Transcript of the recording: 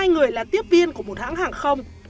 hai người là tiếp viên của một hãng hàng không